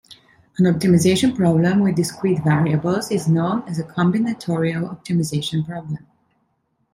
An optimization problem with discrete variables is known as a combinatorial optimization problem.